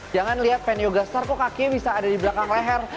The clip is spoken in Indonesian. jangan lihat fan yoga star kok kakinya bisa ada di belakang leher